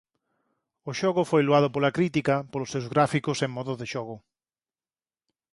O xogo foi loado pola crítica polos seus gráficos e modo de xogo.